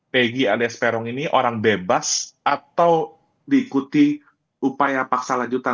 pegi alias peron ini orang bebas atau diikuti upaya paksa lanjutan